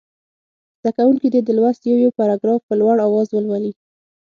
زده کوونکي دې د لوست یو یو پاراګراف په لوړ اواز ولولي.